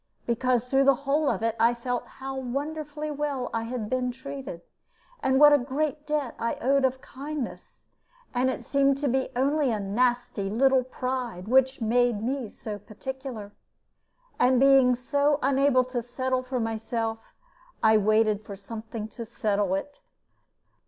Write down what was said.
Because, through the whole of it, I felt how wonderfully well I had been treated, and what a great debt I owed of kindness; and it seemed to be only a nasty little pride which made me so particular. And being so unable to settle for myself, I waited for something to settle it.